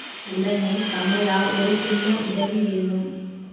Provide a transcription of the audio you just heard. உடனே கமலா ஒரு சின்ன உதவி வேணும்.